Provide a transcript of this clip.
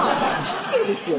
失礼ですよ